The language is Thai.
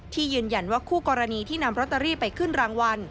ยืนยันว่าคู่กรณีที่นำโรตเตอรี่ไปขึ้นรางวัล